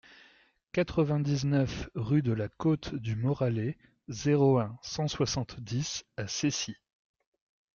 quatre-vingt-dix-neuf rue de la Côte du Moralay, zéro un, cent soixante-dix à Cessy